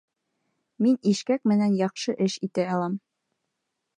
Мин ишкәк менән яҡшы эш итә алам